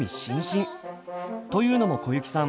というのも小雪さん